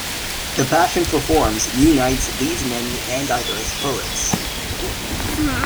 The passion for form unites these many and diverse poets.